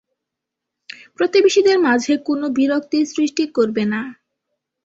প্রতিবেশীদের মাঝে কোনো বিরক্তি সৃষ্টি করবে না।